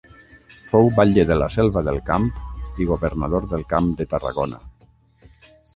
Fou batlle de La Selva del Camp i governador del Camp de Tarragona.